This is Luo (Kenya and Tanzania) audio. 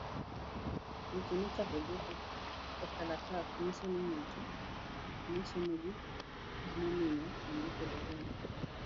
Weche michakogo ekalatas , nyiso ne ng'at ma somogi gimomiyo ondiko barua no.